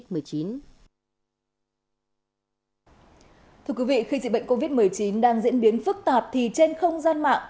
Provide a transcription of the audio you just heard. thưa quý vị khi dịch bệnh covid một mươi chín đang diễn biến phức tạp thì trên không gian mạng